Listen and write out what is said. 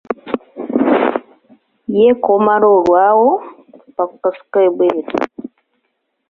"Ye k’omala olwawo, bakukasuka ebweru."